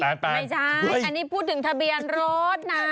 ๘๘๘อันนี้พูดถึงทะเบียนรถนะ